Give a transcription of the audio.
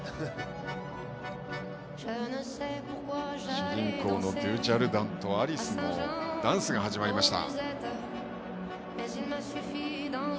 主人公のデュジャルダンとアリスのダンスが始まりました。